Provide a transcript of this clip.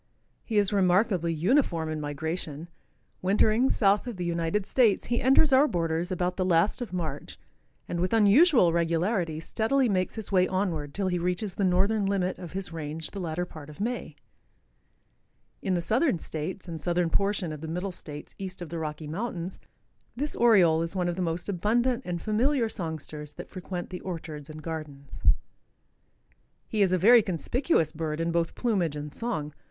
He is remarkably uniform in migration. Wintering south of the United States, he enters our borders about the last of March and with unusual regularity steadily makes his way onward till he reaches the northern limit of his range the latter part of May. In the southern states arid southern portion of the middle states east of the Rocky mountains this Oriole is one of the most abundant and familiar songsters that frequent the orchards and gardens. He is a very conspicuous bird in both plumage and song.